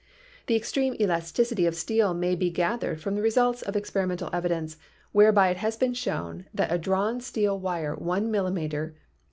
The extreme elasticity of steel may be gathered from the results of experimental evidence, whereby it has been shown that a drawn steel wire one millimeter